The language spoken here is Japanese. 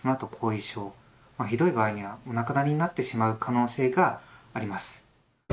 ひどい場合にはお亡くなりになってしまう可能性があります。